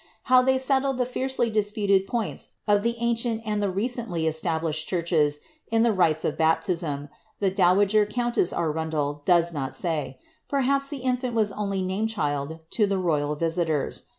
How they settleid the fiercely disputed points of the ancient and the recently established churches in the rites of baptism, the dowager countess Arundel does not say ; perhaps the infant was only name child to the royal visitors.